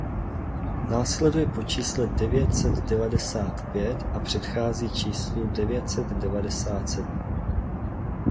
Následuje po čísle devět set devadesát pět a předchází číslu devět set devadesát sedm.